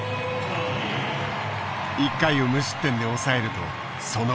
１回を無失点で抑えるとその裏の攻撃。